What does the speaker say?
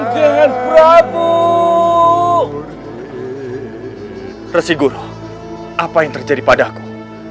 sampai jumpa ger prabu